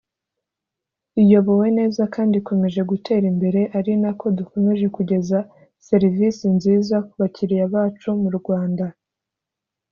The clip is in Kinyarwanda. iyobowe neza kandi ikomeje gutera imbere ari nako dukomeje kugeza serivisi nziza ku bakiriya bacu mu Rwanda